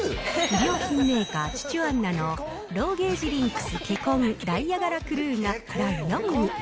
衣料品メーカー、チュチュアンナのローゲージリンクス毛混ダイヤ柄クルーが第４位。